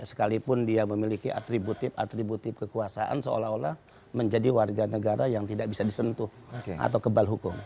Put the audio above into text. sekalipun dia memiliki atributif atributif kekuasaan seolah olah menjadi warga negara yang tidak bisa disentuh atau kebal hukum